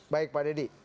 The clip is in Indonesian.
baik pak deddy